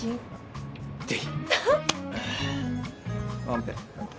・ワンペア。